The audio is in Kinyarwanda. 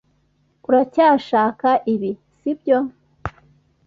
uracyashaka ibi, sibyo?